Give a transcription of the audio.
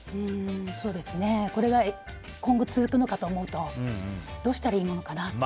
これが今後続くのかと思うとどうしたらいいものなのかなと。